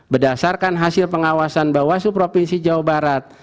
berdasarkan hasil pengawasan bawaslu provinsi jawa barat